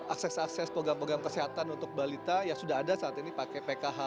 akses akses program program kesehatan untuk balita yang sudah ada saat ini pakai pkh